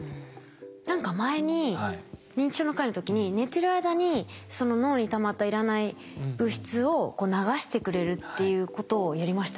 何か前に認知症の回の時に寝てる間に脳にたまった要らない物質をこう流してくれるっていうことをやりましたよね。